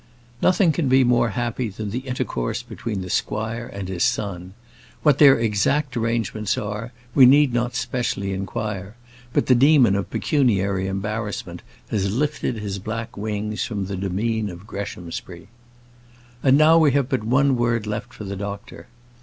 Nothing can be more happy than the intercourse between the squire and his son. What their exact arrangements are, we need not specially inquire; but the demon of pecuniary embarrassment has lifted his black wings from the demesne of Greshamsbury. And now we have but one word left for the doctor.